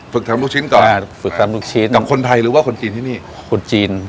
ทำลูกชิ้นก่อนอ่าฝึกทำลูกชิ้นอย่างคนไทยหรือว่าคนจีนที่นี่คนจีน